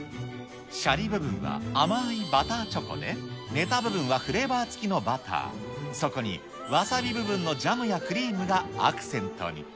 しゃり部分は甘ーいバターチョコでねた部分はフレーバー付きのバター、そこにわさび部分のジャムやクリームがアクセントに。